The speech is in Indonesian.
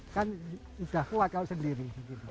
kan sudah kuat kalau sendiri